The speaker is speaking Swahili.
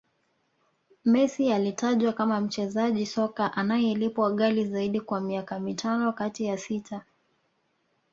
Messi alitajwa kama mchezaji soka anayelipwa ghali Zaidi kwa miaka mitano kati ya sita